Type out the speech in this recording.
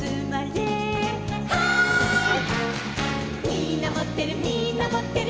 「みんなもってるみんなもってる」